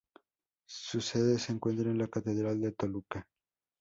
Su sede se encuentra en la Catedral de Toluca.